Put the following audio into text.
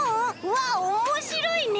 わあおもしろいね！